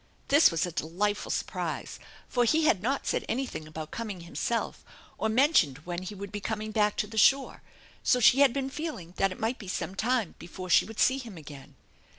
This was a delightful surprise, for he had not Baid anything about coming himself or mentioned when he would be coming back to the shore, so she had been feeling that It might be some time before she would see him again.